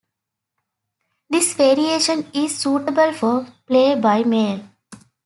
This variation is suitable for play by mail.